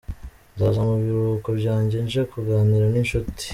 Nzaza mu biruhuko byanjye nje kuganira n’inshuti